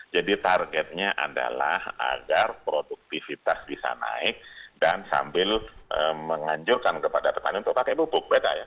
jadi targetnya adalah agar produktivitas bisa naik dan sambil menganjurkan kepada petani untuk pakai pupuk